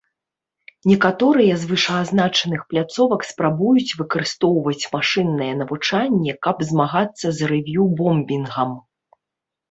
Некаторыя з вышэазначаных пляцовак спрабуюць выкарыстоўваць машыннае навучанне, каб змагацца з рэв'ю-бомбінгам.